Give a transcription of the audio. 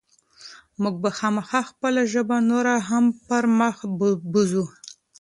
موږ به خامخا خپله ژبه نوره هم پرمخ بوځو.